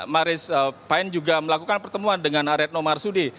maris payen juga melakukan pertemuan dengan aretno marsudi